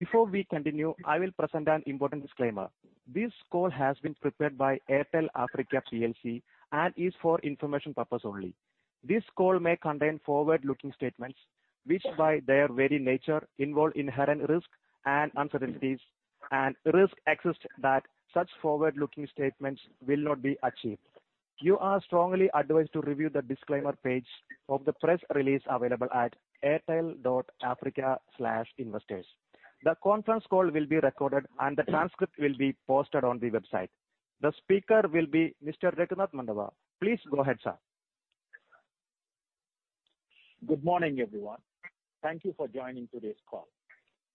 Before we continue, I will present an important disclaimer. This call has been prepared by Airtel Africa plc and is for information purpose only. This call may contain forward-looking statements, which by their very nature, involve inherent risks and uncertainties, and risks exist that such forward-looking statements will not be achieved. You are strongly advised to review the disclaimer page of the press release available at airtel.africa/investors. The conference call will be recorded, and the transcript will be posted on the website. The speaker will be Mr. Raghunath Mandava. Please go ahead, sir. Good morning, everyone. Thank you for joining today's call.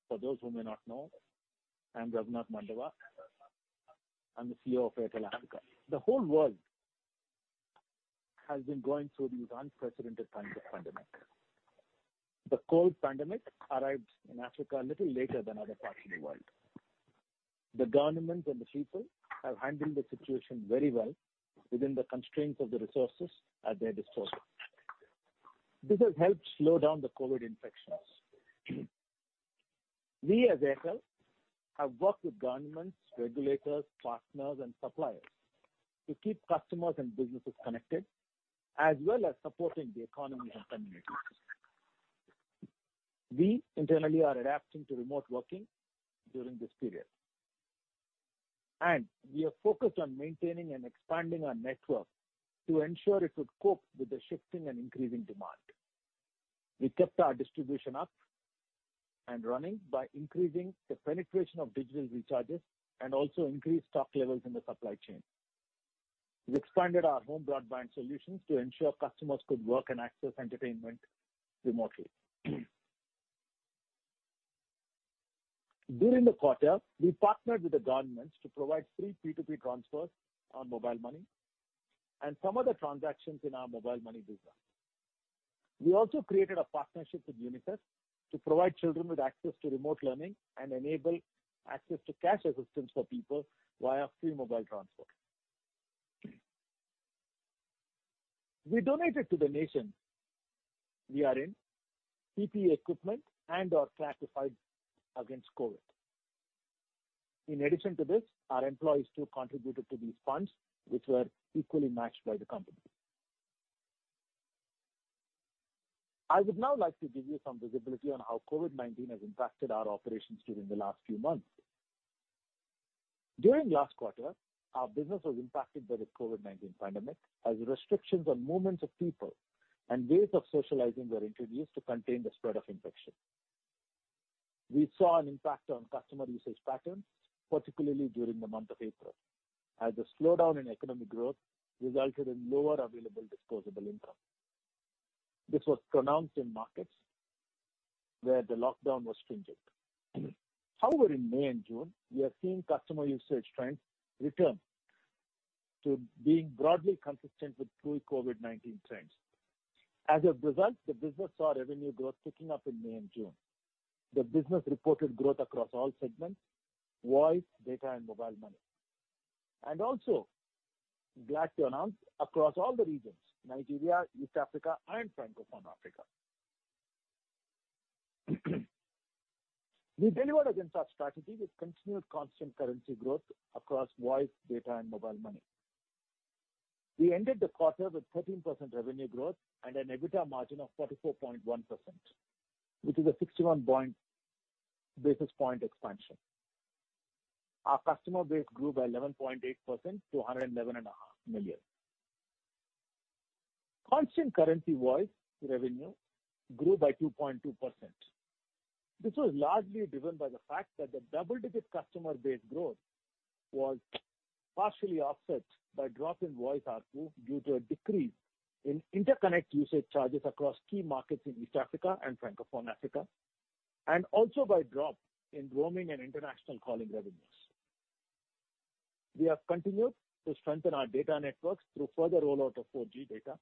For those who may not know, I'm Raghunath Mandava. I'm the CEO of Airtel Africa. The whole world has been going through these unprecedented times of pandemic. The COVID pandemic arrived in Africa a little later than other parts of the world. The government and the people have handled the situation very well within the constraints of the resources at their disposal. This has helped slow down the COVID infections. We as Airtel have worked with governments, regulators, partners, and suppliers to keep customers and businesses connected, as well as supporting the economies and communities. We internally are adapting to remote working during this period. We are focused on maintaining and expanding our network to ensure it could cope with the shifting and increasing demand. We kept our distribution up and running by increasing the penetration of digital recharges and also increased stock levels in the supply chain. We expanded our home broadband solutions to ensure customers could work and access entertainment remotely. During the quarter, we partnered with the governments to provide free P2P transfers on Mobile Money and some other transactions in our Mobile Money business. We also created a partnership with UNICEF to provide children with access to remote learning and enable access to cash assistance for people via free mobile transfers. We donated to the nation we are in PPE equipment and/or classified against COVID. In addition to this, our employees too contributed to these funds, which were equally matched by the company. I would now like to give you some visibility on how COVID-19 has impacted our operations during the last few months. During last quarter, our business was impacted by the COVID-19 pandemic as restrictions on movements of people and ways of socializing were introduced to contain the spread of infection. We saw an impact on customer usage patterns, particularly during the month of April, as the slowdown in economic growth resulted in lower available disposable income. This was pronounced in markets where the lockdown was stringent. However, in May and June, we are seeing customer usage trends return to being broadly consistent with pre-COVID-19 trends. As a result, the business saw revenue growth picking up in May and June. The business reported growth across all segments, voice, data, and Mobile Money. Also glad to announce across all the regions, Nigeria, East Africa, and Francophone Africa. We delivered against our strategy with continued constant currency growth across voice, data, and Mobile Money. We ended the quarter with 13% revenue growth and an EBITDA margin of 44.1%, which is a 61 basis point expansion. Our customer base grew by 11.8% to 111.5 million. Constant currency voice revenue grew by 2.2%. This was largely driven by the fact that the double-digit customer base growth was partially offset by a drop in voice ARPU due to a decrease in interconnect usage charges across key markets in East Africa and Francophone Africa, and also by a drop in roaming and international calling revenues. We have continued to strengthen our data networks through further rollout of 4G data.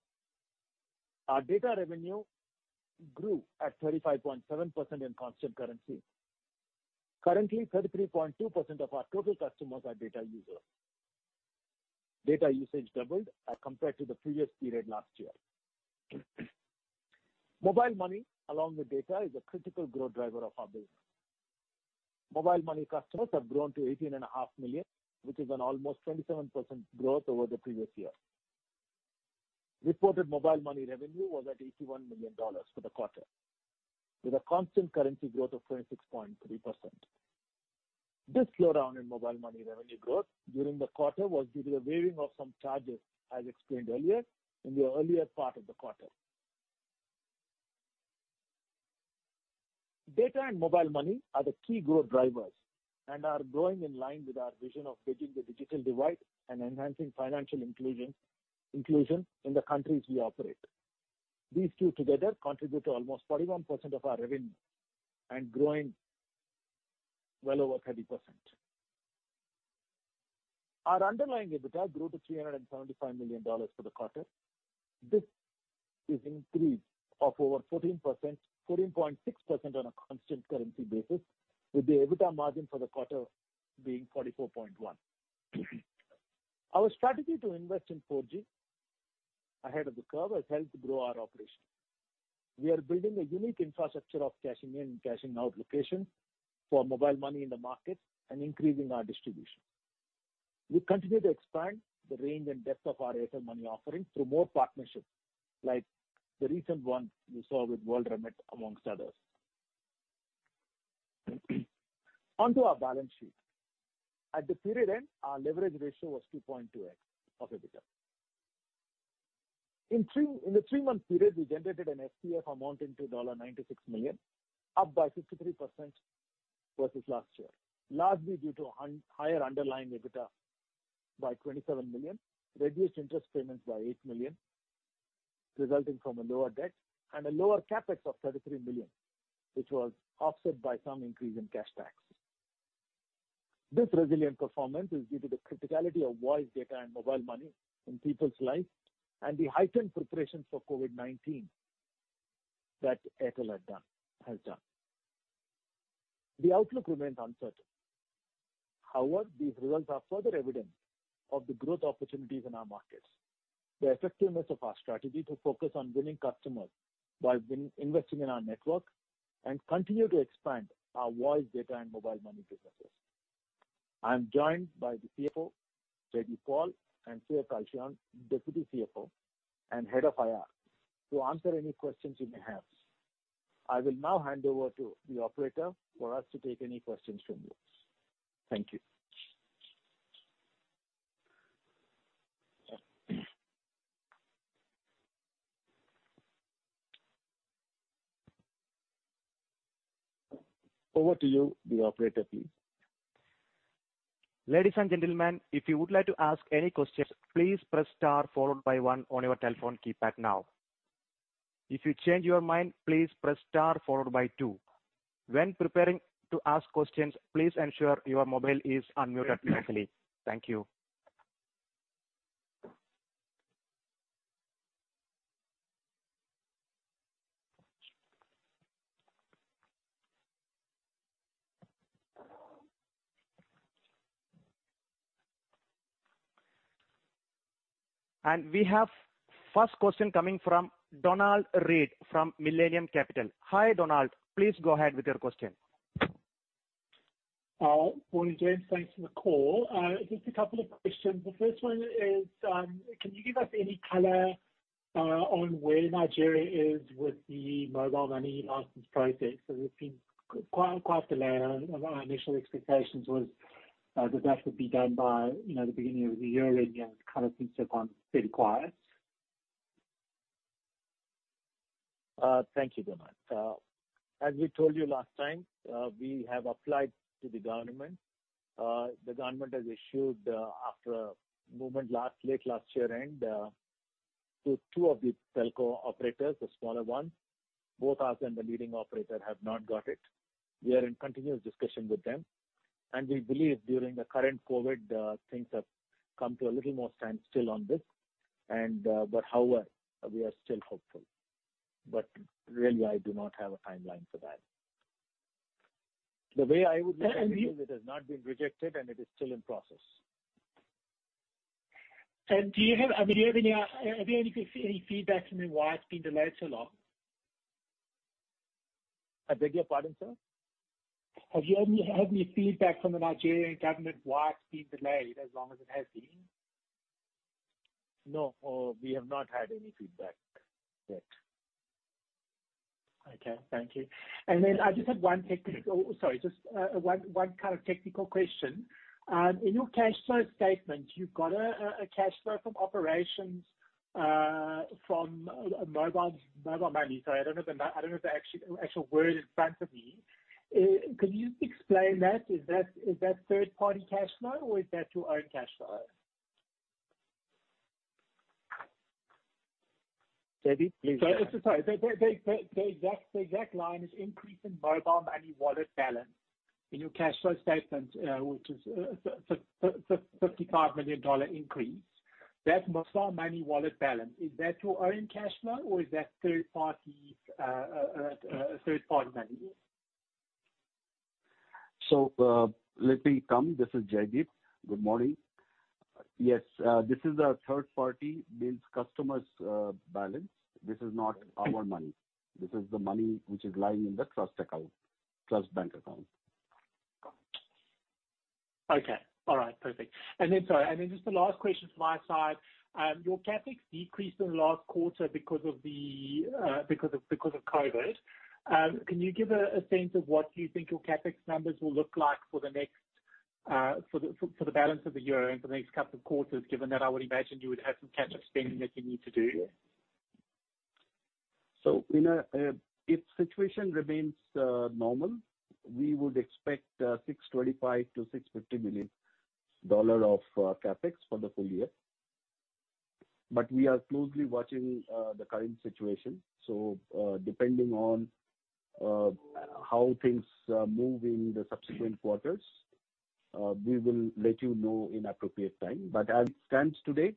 Our data revenue grew at 35.7% in constant currency. Currently, 33.2% of our total customers are data users. Data usage doubled as compared to the previous period last year. Mobile money, along with data, is a critical growth driver of our business. Mobile Money customers have grown to 18.5 million, which is an almost 27% growth over the previous year. Reported Mobile Money revenue was at $81 million for the quarter, with a constant currency growth of 26.3%. This slowdown in Mobile Money revenue growth during the quarter was due to the waiving of some charges, as explained earlier in the earlier part of the quarter. Data and Mobile Money are the key growth drivers and are growing in line with our vision of bridging the digital divide and enhancing financial inclusion in the countries we operate. These two together contribute to almost 41% of our revenue and growing well over 30%. Our underlying EBITDA grew to $375 million for the quarter. This is increase of over 14.6% on a constant currency basis, with the EBITDA margin for the quarter being 44.1%. Our strategy to invest in 4G ahead of the curve has helped grow our operation. We are building a unique infrastructure of cashing in and cashing out locations for mobile money in the market and increasing our distribution. We continue to expand the range and depth of our Airtel Money offering through more partnerships, like the recent one we saw with WorldRemit, amongst others. Onto our balance sheet. At the period end, our leverage ratio was 2.2x of EBITDA. In the three-month period, we generated an FCF amounting to $96 million, up by 63% versus last year, largely due to higher underlying EBITDA by $27 million, reduced interest payments by $8 million resulting from a lower debt, and a lower CapEx of $33 million, which was offset by some increase in cash tax. This resilient performance is due to the criticality of voice, data, and mobile money in people's lives and the heightened preparations for COVID-19 that Airtel has done. The outlook remains uncertain. However, these results are further evidence of the growth opportunities in our markets, the effectiveness of our strategy to focus on winning customers while investing in our network and continue to expand our voice, data, and mobile money businesses. I am joined by the CFO, Jaideep Paul, and Surendra Kalra, Deputy CFO and Head of IR, to answer any questions you may have. I will now hand over to the operator for us to take any questions from you. Thank you. Over to you, the operator, please. Ladies and gentlemen, if you would like to ask any questions, please press star followed by one on your telephone keypad now. If you change your mind, please press star followed by two. When preparing to ask questions, please ensure your mobile is unmuted locally. Thank you. We have first question coming from Donald Reid from Millennium Capital. Hi, Donald. Please go ahead with your question. Morning, James. Thanks for the call. Just a couple of questions. The first one is, can you give us any color on where Nigeria is with the mobile money license process? There's been quite a delay. Our initial expectations was that that would be done by the beginning of the year, and it kind of seems to have gone pretty quiet. Thank you, Donald. As we told you last time, we have applied to the government. The government has issued, after a movement late last year end, to two of the telco operators, the smaller one. Both us and the leading operator have not got it. We are in continuous discussion with them, and we believe during the current COVID, things have come to a little more standstill on this. However, we are still hopeful, but really, I do not have a timeline for that. The way I would look at it is it has not been rejected, and it is still in process. Have you had any feedback from them why it's been delayed so long? I beg your pardon, sir? Have you had any feedback from the Nigerian government why it's been delayed as long as it has been? No. We have not had any feedback yet. Okay. Thank you. I just had one technical, sorry, just one kind of technical question. In your cash flow statement, you've got a cash flow from operations, from mobile money. Sorry, I don't have the actual word in front of me. Could you explain that? Is that third-party cash flow, or is that your own cash flow? Jaideep, please. Sorry. The exact line is increase in mobile money wallet balance in your cash flow statement, which is a $55 million increase. That mobile money wallet balance, is that your own cash flow, or is that third-party money? Let me come. This is Jaideep. Good morning. Yes, this is a third party, means customers' balance. This is not our money. This is the money which is lying in the trust account, trust bank account. Got it. Okay. All right, perfect. Sorry, and then just a last question from my side. Your CapEx decreased in the last quarter because of COVID. Can you give a sense of what you think your CapEx numbers will look like for the balance of the year and for the next couple of quarters, given that I would imagine you would have some catch-up spending that you need to do? If situation remains normal, we would expect $625-$650 million of CapEx for the full year. We are closely watching the current situation. Depending on how things move in the subsequent quarters, we will let you know in appropriate time. As it stands today,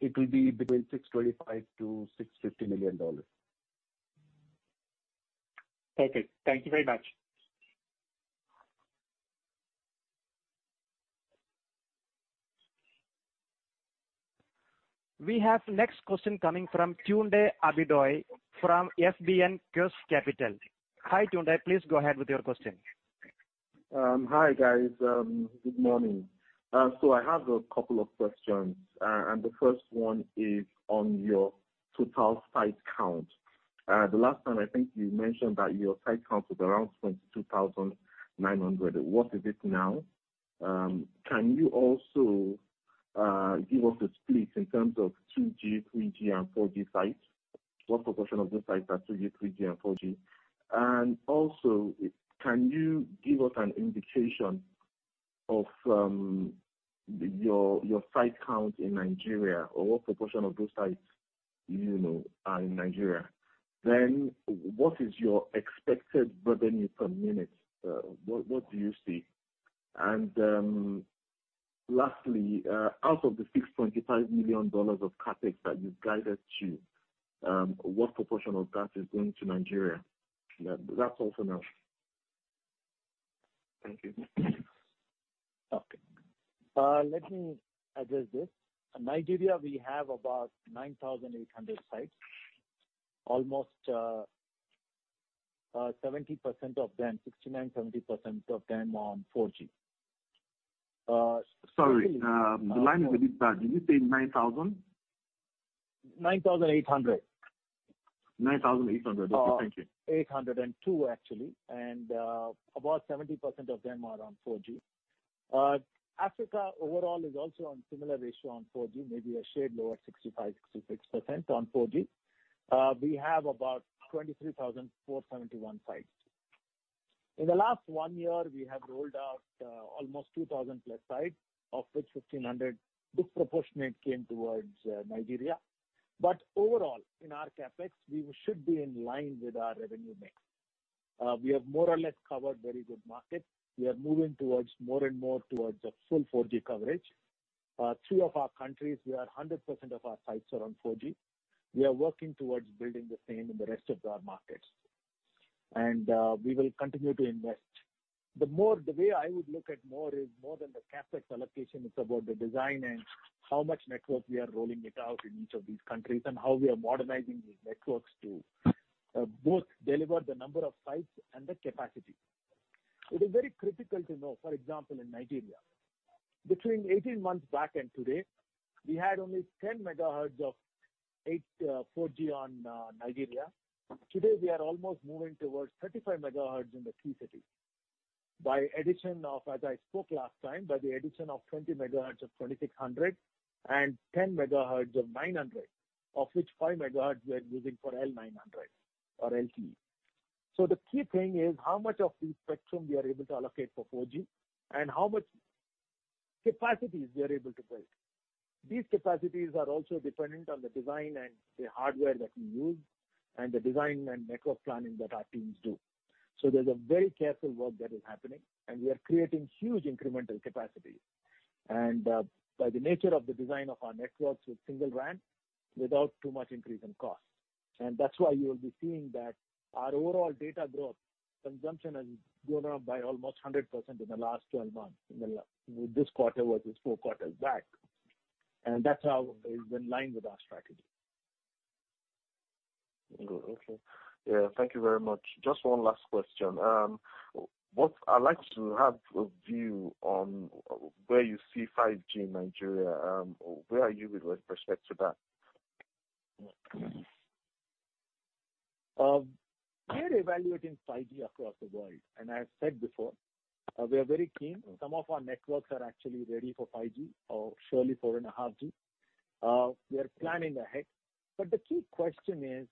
it will be between $625-$650 million. Perfect. Thank you very much. We have next question coming from Tunde Abidoye from FBNQuest Capital. Hi, Tunde. Please go ahead with your question. Hi, guys. Good morning. I have a couple of questions, and the first one is on your total site count. The last time, I think you mentioned that your site count was around 22,900. What is it now? Can you also give us a split in terms of 2G, 3G and 4G sites? What proportion of those sites are 2G, 3G and 4G? Can you give us an indication of your site count in Nigeria, or what proportion of those sites you know are in Nigeria? What is your expected revenue per minute? What do you see? Lastly, out of the $625 million of CapEx that you've guided to, what proportion of that is going to Nigeria? That's all for now. Thank you. Okay. Let me address this. In Nigeria, we have about 9,800 sites. Almost 70% of them, 69, 70% of them are on 4G. Sorry. The line is a bit bad. Did you say 9,000? 9,800. 9,800. Okay, thank you. 802, actually, and about 70% of them are on 4G. Africa overall is also on similar ratio on 4G, maybe a shade lower, 65%, 66% on 4G. We have about 23,471 sites. In the last one year, we have rolled out almost 2,000 plus sites, of which 1,500 disproportionate came towards Nigeria. Overall, in our CapEx, we should be in line with our revenue mix. We have more or less covered very good markets. We are moving more and more towards a full 4G coverage. Three of our countries, we are 100% of our sites are on 4G. We are working towards building the same in the rest of our markets. We will continue to invest. The way I would look at more is more than the CapEx allocation, it's about the design and how much network we are rolling it out in each of these countries and how we are modernizing these networks to both deliver the number of sites and the capacity. It is very critical to know, for example, in Nigeria. Between 18 months back and today, we had only 10 MHz of 4G on Nigeria. Today, we are almost moving towards 35 MHz in the key cities. I spoke last time, by the addition of 20 MHz of 2600 and 10 MHz of 900, of which five MHz we are using for L900 or LTE. The key thing is how much of the spectrum we are able to allocate for 4G and how much capacities we are able to build. These capacities are also dependent on the design and the hardware that we use and the design and network planning that our teams do. There's a very careful work that is happening, and we are creating huge incremental capacity. By the nature of the design of our networks with Single RAN, without too much increase in cost. That's why you will be seeing that our overall data growth consumption has gone up by almost 100% in the last 12 months, this quarter versus four quarters back. That is in line with our strategy. Good. Okay. Yeah. Thank you very much. Just one last question. I'd like to have a view on where you see 5G in Nigeria. Where are you with respect to that? We are evaluating 5G across the world, and I've said before, we are very keen. Some of our networks are actually ready for 5G or surely 4.5G. We are planning ahead, but the key question is: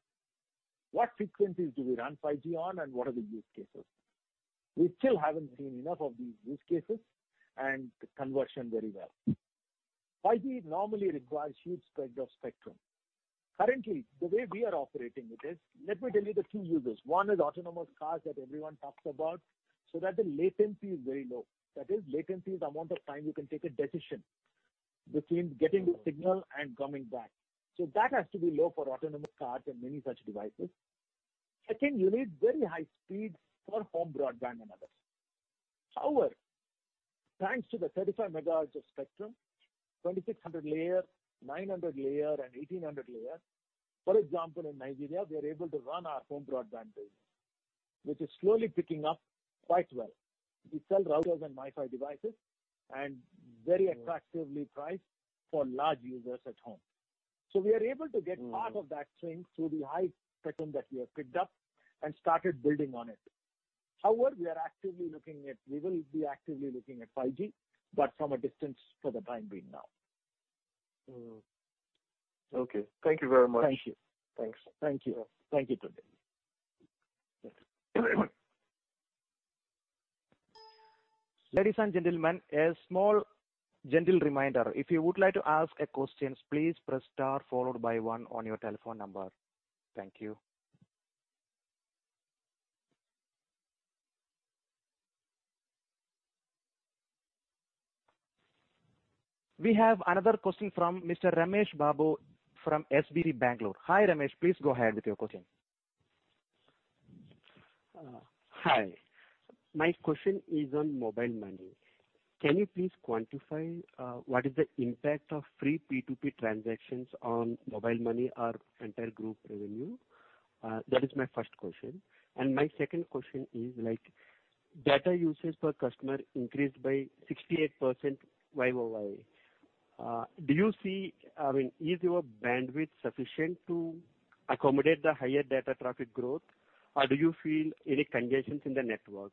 What frequencies do we run 5G on, and what are the use cases? We still haven't seen enough of these use cases and conversion very well. 5G normally requires huge spread of spectrum. Currently, the way we are operating it is, let me tell you the key uses. One is autonomous cars that everyone talks about, so that the latency is very low. That is, latency is the amount of time you can take a decision between getting the signal and coming back. That has to be low for autonomous cars and many such devices. Second, you need very high speeds for home broadband and others. Thanks to the 35 MHz of spectrum, 2600 layer, 900 layer, and 1800 layer, for example, in Nigeria, we are able to run our home broadband business, which is slowly picking up quite well. We sell routers and MiFi devices and very attractively priced for large users at home. We are able to get part of that swing through the high spectrum that we have picked up and started building on it. We will be actively looking at 5G, but from a distance for the time being now. Okay. Thank you very much. Thank you. Thanks. Thank you. Thank you, Tunde. Ladies and gentlemen, a small gentle reminder. If you would like to ask a question, please press star followed by one on your telephone number. Thank you. We have another question from Mr. Ramesh Babu from SBD Bangalore. Hi, Ramesh. Please go ahead with your question. Hi. My question is on Airtel Money. Can you please quantify what is the impact of free P2P transactions on Airtel Money, our entire group revenue? That is my first question. My second question is, data usage per customer increased by 68% YOY. Is your bandwidth sufficient to accommodate the higher data traffic growth, or do you feel any congestions in the network?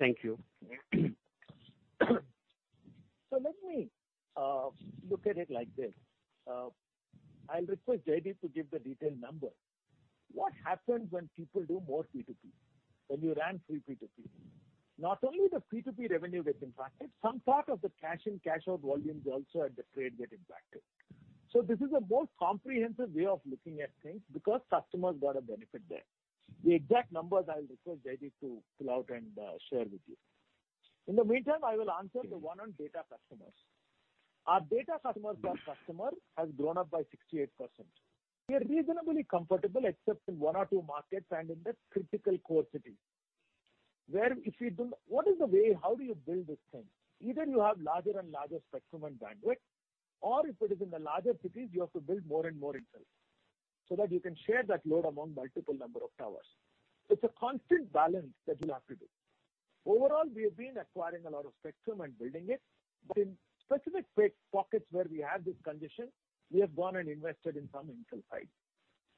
Thank you. Let me look at it like this. I'll request J.D. to give the detailed number. What happens when people do more P2P, when you ran free P2P? Not only the P2P revenue gets impacted, some part of the cash in/cash out volumes also at the trade get impacted. This is a more comprehensive way of looking at things because customers got a benefit there. The exact numbers, I'll request J.D. to pull out and share with you. In the meantime, I will answer the one on data customers. Our data customers per customer has grown up by 68%. We are reasonably comfortable, except in one or two markets and in the critical core cities. What is the way, how do you build this thing? You have larger and larger spectrum and bandwidth, or if it is in the larger cities, you have to build more and more infill sites, so that you can share that load among multiple number of towers. It's a constant balance that you'll have to do. Overall, we have been acquiring a lot of spectrum and building it. In specific pockets where we have this congestion, we have gone and invested in some infill sites.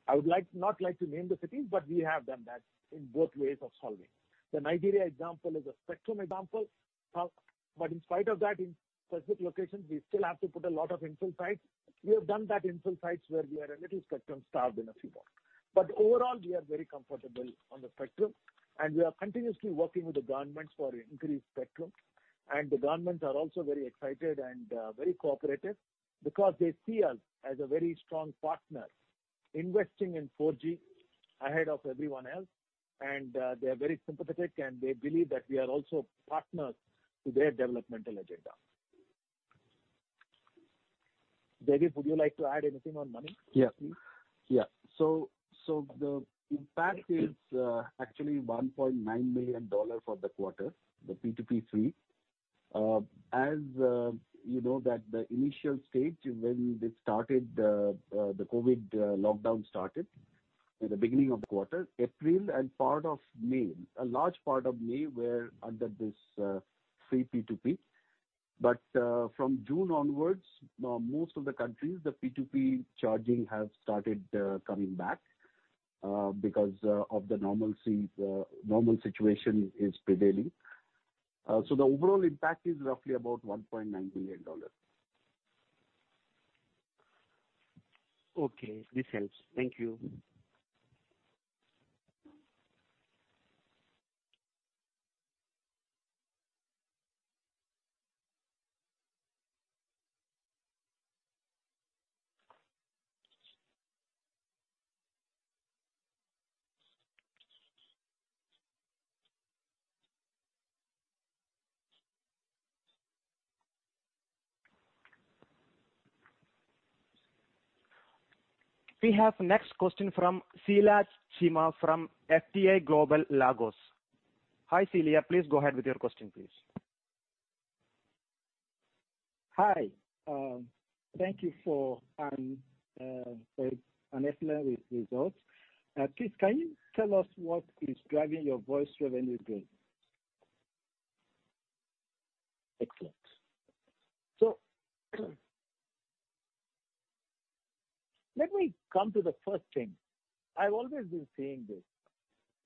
I would not like to name the cities, but we have done that in both ways of solving. The Nigeria example is a spectrum example. In spite of that, in specific locations, we still have to put a lot of infill sites. We have done that infill sites where we are a little spectrum-starved in a few more. Overall, we are very comfortable on the spectrum, and we are continuously working with the governments for increased spectrum. The governments are also very excited and very cooperative because they see us as a very strong partner investing in 4G ahead of everyone else. They are very sympathetic, and they believe that we are also partners to their developmental agenda. JD, would you like to add anything on Money? Yeah. The impact is actually $1.9 million for the quarter, the P2P free. As you know that the initial stage when the COVID-19 lockdown started in the beginning of the quarter, April and part of May, a large part of May were under this free P2P. From June onwards, most of the countries, the P2P charging have started coming back because of the normal situation is prevailing. The overall impact is roughly about $1.9 million. Okay. This helps. Thank you. We have next question from Celia Chima from FTA Global, Lagos. Hi, Celia, please go ahead with your question, please. Hi. Thank you for an excellent result. Keith, can you tell us what is driving your voice revenue gain? Excellent. Let me come to the first thing. I've always been saying this.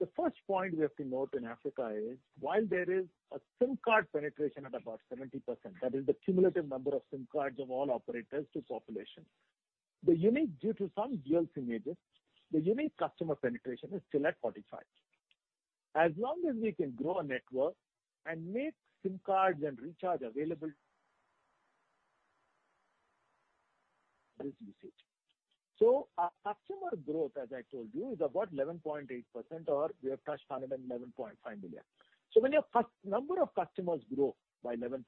The first point we have to note in Africa is while there is a SIM card penetration at about 70%, that is the cumulative number of SIM cards of all operators to population. Due to some dual SIM users, the unique customer penetration is still at 45%. As long as we can grow a network and make SIM cards and recharge available, there is usage. Our customer growth, as I told you, is about 11.8%, or we have touched 111.5 million. When your number of customers grow by 11%,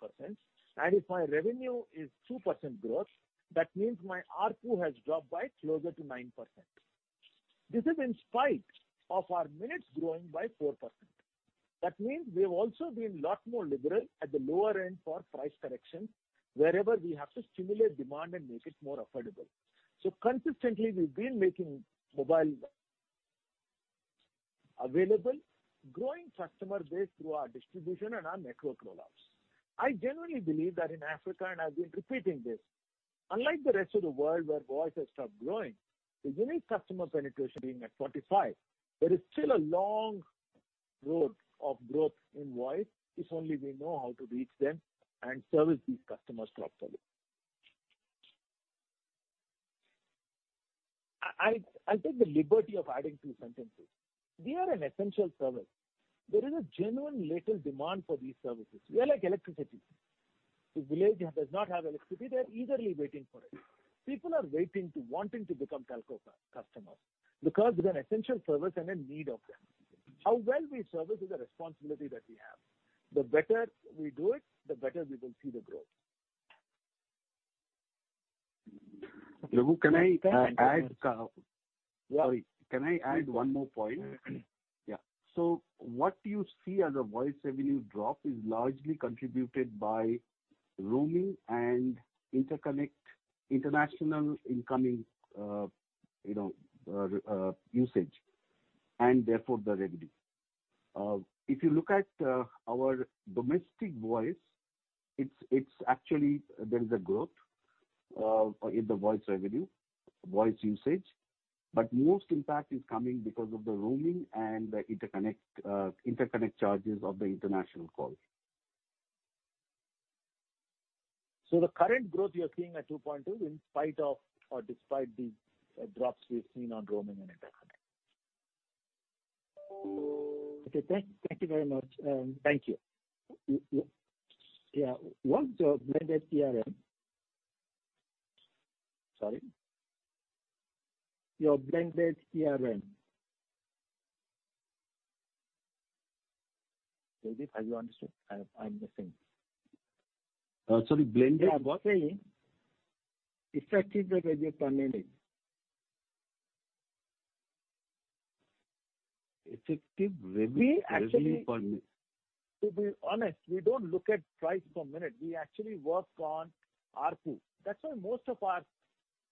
and if my revenue is 2% growth, that means my ARPU has dropped by closer to 9%. This is in spite of our minutes growing by 4%. That means we have also been a lot more liberal at the lower end for price corrections wherever we have to stimulate demand and make it more affordable. Consistently, we've been making mobile available, growing customer base through our distribution and our network rollouts. I genuinely believe that in Africa, and I've been repeating this, unlike the rest of the world where voice has stopped growing, the unique customer penetration being at 45, there is still a long road of growth in voice if only we know how to reach them and service these customers properly. I take the liberty of adding two sentences. We are an essential service. There is a genuine latent demand for these services. We are like electricity. If a village does not have electricity, they're eagerly waiting for it. People are wanting to become Telco customers because we are an essential service and a need of them. How well we service is a responsibility that we have. The better we do it, the better we will see the growth. Lavu, can I add one more point? Yeah. What you see as a voice revenue drop is largely contributed by roaming and interconnect international incoming usage, and therefore the revenue. If you look at our domestic voice, actually, there is a growth in the voice revenue, voice usage, but most impact is coming because of the roaming and the interconnect charges of the international call. The current growth you're seeing at 2.2, in spite of or despite these drops we've seen on roaming and interconnect. Okay, thank you very much. Thank you. Yeah. What's your blended PRM? Sorry? Your blended PRM. Jaideep, have you understood? I'm missing. Sorry, blended what? Yeah, I'm saying effective revenue per minute. Effective revenue per minute. We, actually, to be honest, we don't look at price per minute. We actually work on ARPU. That's why most of our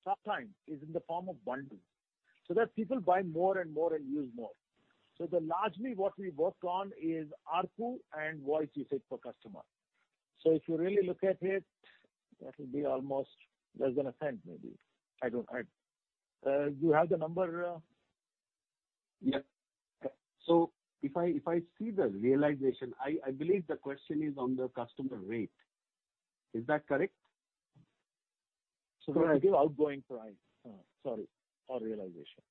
top line is in the form of bundles, so that people buy more and more and use more. Largely what we work on is ARPU and voice usage per customer. If you really look at it, that will be almost less than $0.01, maybe. Do you have the number? Yeah. If I see the realization, I believe the question is on the customer rate. Is that correct? Can I give outgoing price? Sorry. Or realization.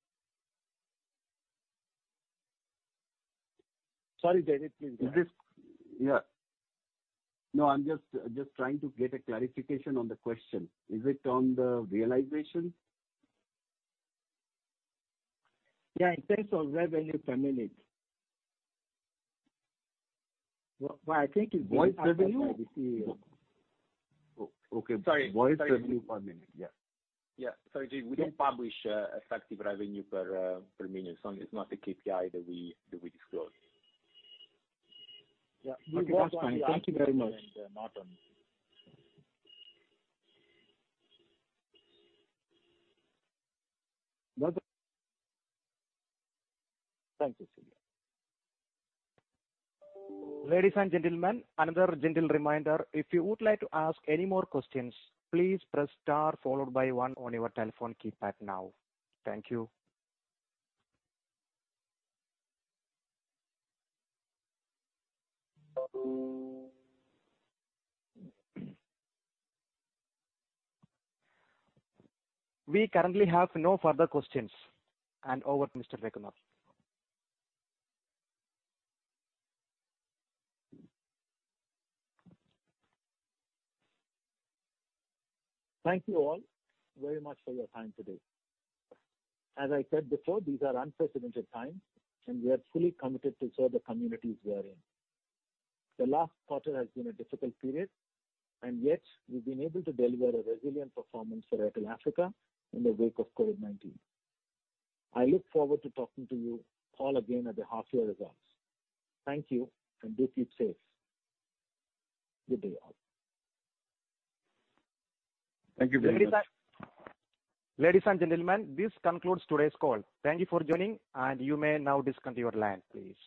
Sorry, Jaideep, please. No, I'm just trying to get a clarification on the question. Is it on the realization? Yeah, in terms of revenue per minute. I think it's being asked by the CEO. Voice revenue? Okay. Sorry. Voice revenue per minute. Yeah. Yeah. Sorry, Jean, we don't publish effective revenue per minute. It's not a KPI that we disclose. Yeah. That's fine. Thank you very much. Not on. Thank you, Celia. Ladies and gentlemen, another gentle reminder. If you would like to ask any more questions, please press star followed by one on your telephone keypad now. Thank you. We currently have no further questions. Over to Mr. Venkataram. Thank you all very much for your time today. As I said before, these are unprecedented times, and we are fully committed to serve the communities we are in. The last quarter has been a difficult period, and yet we've been able to deliver a resilient performance for Airtel Africa in the wake of COVID-19. I look forward to talking to you all again at the half year results. Thank you, and do keep safe. Good day all. Thank you very much. Ladies and gentlemen, this concludes today's call. Thank you for joining, and you may now disconnect your line, please.